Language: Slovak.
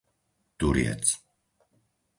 Turiec